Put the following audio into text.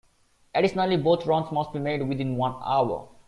Additionally both runs must be made within one hour.